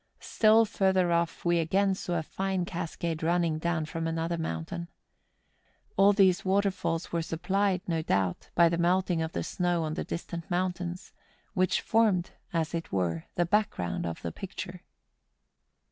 Still further off we again saw a fine cascade running down from another mountain. All these waterfalls were supplied, no doubt, by the melting of the snow on the distant mountains, which formed, as it were, the back ground of the picture.